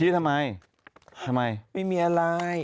ทำไมไม่มีอะไร